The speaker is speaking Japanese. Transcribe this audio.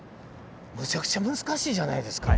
むちゃくちゃ難しいじゃないですか。